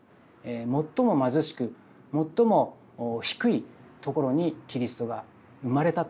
最も貧しく最も低いところにキリストが生まれたという。